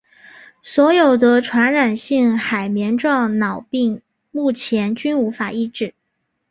所有得传染性海绵状脑病目前均无法医治。